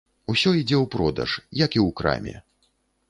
Усё ідзе ў продаж, як і ў краме.